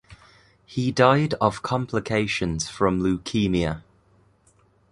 He died of complications from leukemia.